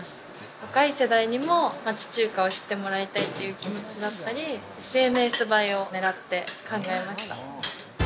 若い世代にも町中華を知ってもらいたいっていう気持ちだったり、ＳＮＳ映えを狙って考えました。